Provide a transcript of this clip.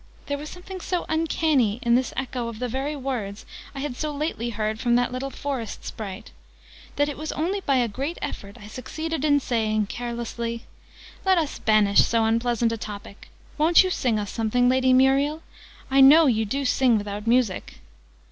There was something so uncanny in this echo of the very words I had so lately heard from that little forest sprite, that it was only by a great effort I succeeded in saying, carelessly, "Let us banish so unpleasant a topic. Won't you sing us something, Lady Muriel? I know you do sing without music."